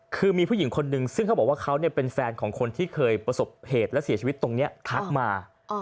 คือมีผู้หญิงคนนึงซึ่งเขาบอกว่าเขาเป็นแฟนของคนที่เคยประสบเหตุและเสียชีวิตตรงนี้ทักมา